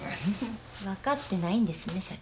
わかってないんですね社長。